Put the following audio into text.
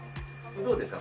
どうですか？